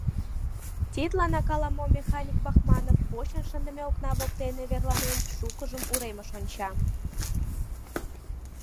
Тидланак ала-мо механик Бахманов, почын шындыме окна воктене верланен, шукыжым уремыш онча.